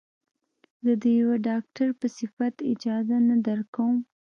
زه د يوه ډاکتر په صفت اجازه نه درکم.